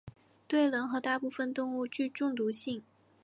对人和大部分动物具中毒性。